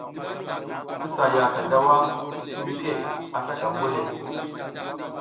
Ki sa yaʼaka daw a timike a slaka vu o le.